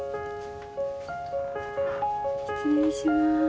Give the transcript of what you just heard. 失礼します。